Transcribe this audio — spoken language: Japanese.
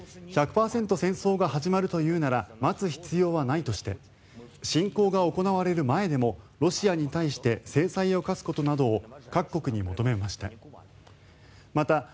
１００％戦争が始まるというなら待つ必要はないとして侵攻が行われる前でもロシアに対して制裁を科すことなどを各国に求めました。